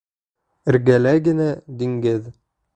Эргәлә генә диңгеҙ.